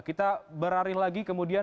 kita berarin lagi kemudian